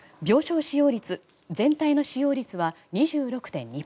病床使用率全体の使用率は２６．２％